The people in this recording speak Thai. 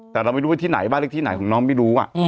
แต่เราไม่รู้ไปที่ไหนบ้านเลขที่ไหนของน้องไม่รู้